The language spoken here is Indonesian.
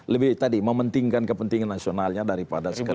lebih tadi mementingkan kepentingan nasionalnya daripada sekarang